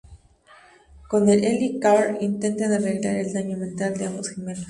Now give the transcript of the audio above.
Con el heli-carrier intentan arreglar el daño mental de ambos gemelos.